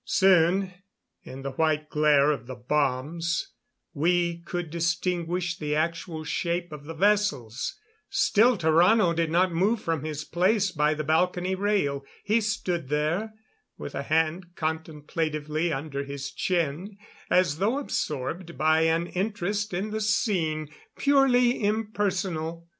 Soon, in the white glare of the bombs, we could distinguish the actual shapes of the vessels. Still Tarrano did not move from his place by the balcony rail. He stood there, with a hand contemplatively under his chin, as though absorbed by an interest in the scene purely impersonal.